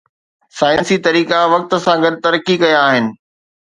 سائنسي طريقا وقت سان گڏ ترقي ڪيا آهن